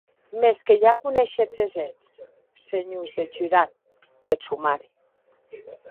Mès que ja coneishetz es hèts, senhors deth jurat, peth somari.